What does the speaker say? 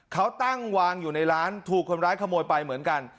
เขาตั้งวางอยู่ในร้านถูกคนร้ายขโมยไปเหมือนกัน